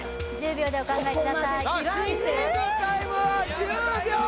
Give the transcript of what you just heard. １０秒でお考えくださいさあ